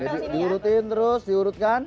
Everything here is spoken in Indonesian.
diurutin terus diurutkan